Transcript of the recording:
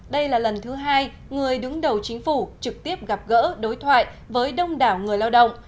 đây là lần thứ hai người đứng đầu chính phủ trực tiếp gặp gỡ đối thoại với đông đảo người lao động